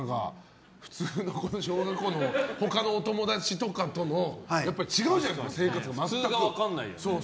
普通の小学校の他のお友達とかと違うじゃないですか、生活とかも。